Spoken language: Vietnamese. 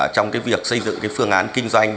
trong việc xây dựng phương án kinh doanh